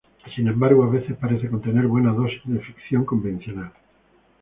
Sin embargo, a veces parece contener buena dosis de ficción convencional.